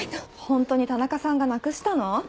ホントに田中さんがなくしたの？